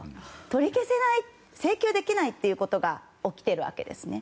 取り消せない請求できないということが起きているわけですね。